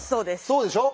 そうでしょ？